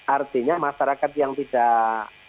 artinya masyarakat yang tidak